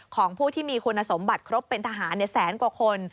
ของผู้ที่มีคุณสมบัติครบเป็นทหารแสนกว่าคน